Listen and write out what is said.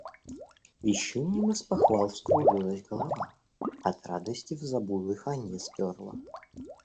Вещуньина с похвал вскружилась голова. От радости в зобу дыханье сперло